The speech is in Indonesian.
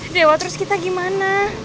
dewa terus kita gimana